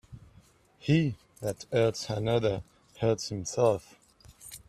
He that hurts another, hurts himself.